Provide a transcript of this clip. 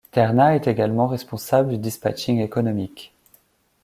Terna est également responsable du dispatching économique.